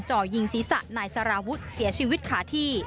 จ่อยิงศีรษะนายสารวุฒิเสียชีวิตขาที่